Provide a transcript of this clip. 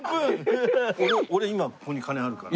俺今ここに金あるから。